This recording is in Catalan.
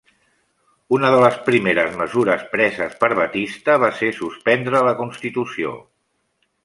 Una de les primeres mesures preses per Batista va ser suspendre la constitució.